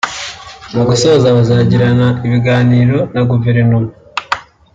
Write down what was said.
Mu gusoza bazagirana ibiganiro na Guverinoma